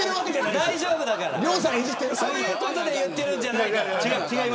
大丈夫だから、そういうことで言ってるんじゃないから。